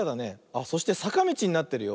あっそしてさかみちになってるよ。